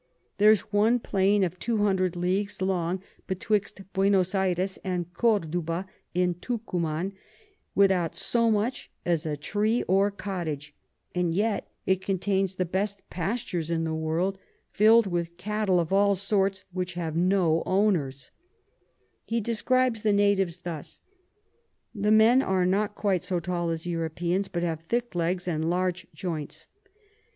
There's one Plain of 200 Leagues long betwixt Buenos Ayres and Corduba in Tucuman, without so much as a Tree or Cottage, and yet it contains the best Pastures in the World, fill'd with Cattel of all sorts which have no Owners. [Sidenote: Account of the River La Plata.] He describes the Natives thus: The Men are not quite so tall as Europeans, but have thick Legs and large Joints.